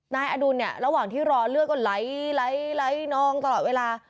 นายอดุลเนี่ยระหว่างที่รอเลือดก็ไหลนองตลอดเวลา